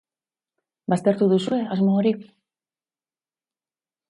Baztertu duzue asmo hori?